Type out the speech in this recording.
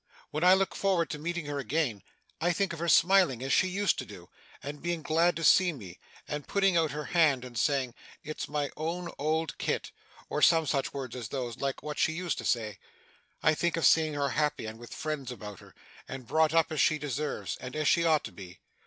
When I look forward to meeting her again, I think of her smiling as she used to do, and being glad to see me, and putting out her hand and saying, "It's my own old Kit," or some such words as those like what she used to say. I think of seeing her happy, and with friends about her, and brought up as she deserves, and as she ought to be.